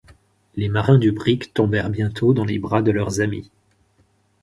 Les marins du brick tombèrent bientôt dans les bras de leurs amis.